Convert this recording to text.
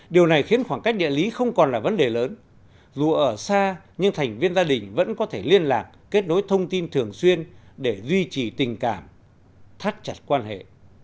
điều này khiến khoảng cách địa lý không còn là vấn đề lớn dù ở xa nhưng thành viên gia đình vẫn có thể liên lạc kết nối thông tin thường xuyên để duy trì tình cảm thắt chặt quan hệ